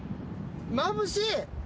まぶしい。